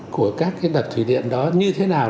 của các cái đập thủy điện đó như thế nào